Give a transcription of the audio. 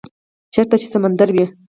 - چیرته چې سمندر وی،